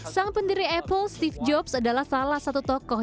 sang pendiri apple steve jobs adalah salah satu tokoh